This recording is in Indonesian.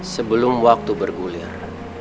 sebelum waktu bergulir